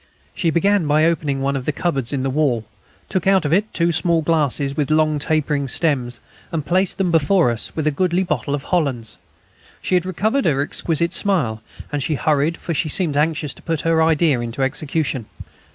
She began by opening one of the cupboards in the wall, took out of it two small glasses with long tapering stems, and placed them before us, with a goodly bottle of Hollands. She had recovered her exquisite smile, and she hurried, for she seemed anxious to put her idea into execution.